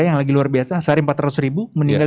yang lagi luar biasa sehari empat ratus ribu meninggal